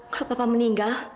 kalau papa meninggal